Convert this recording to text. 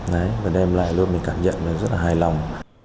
đấy và đem lại luôn mình cảm nhận là rất là hài lòng